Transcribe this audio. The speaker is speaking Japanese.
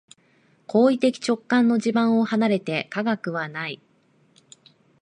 行為的直観の地盤を離れて科学はない。